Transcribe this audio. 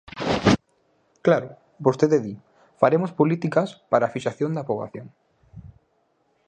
Claro, vostede di: faremos políticas para fixación da poboación.